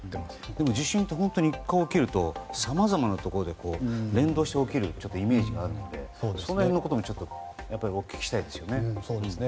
でも地震って１回起きるとさまざまなところで連動して起きるイメージがあるのでその辺のことも聞きたいですね。